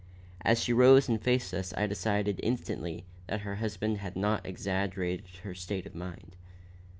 As she rose and faced us I decided instantly that her husband had not exaggerated her state of mind.